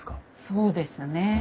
そうですね。